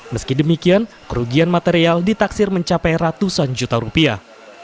meski demikian kerugian material ditaksir mencapai ratusan juta rupiah